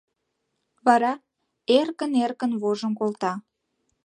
Вара эркын-эркын вожым колта.